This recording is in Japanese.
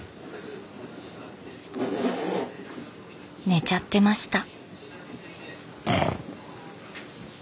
寝ちゃってました。